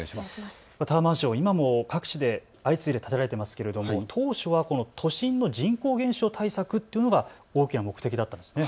タワーマンション、今も各地で相次いで建てられていますが当初は都心の人口減少対策というのが大きな目的だったんですね。